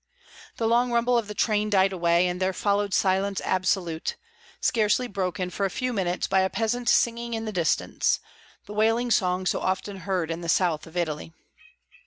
The long rumble of the train died away, and there followed silence absolute, scarcely broken for a few minutes by a peasant singing in the distance, the wailing song so often heard in the south of Italy.